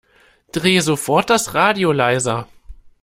Dreh sofort das Radio leiser